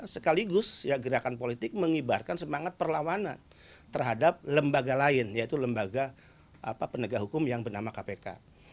sekaligus gerakan politik mengibarkan semangat perlawanan terhadap lembaga lain yaitu lembaga penegak hukum yang bernama kpk